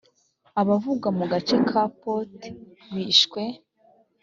abavugwa mu gace ka pote bishwe